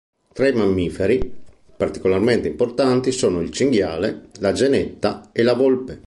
Tra i mammiferi, particolarmente importanti sono il cinghiale, la genetta e la volpe.